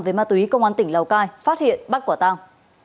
về ma túy công an tỉnh lào cai phát hiện bắt quả tăng